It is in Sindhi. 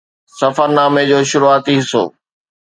سفرنامي جو شروعاتي حصو